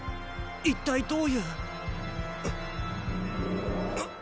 一体どういう。っ！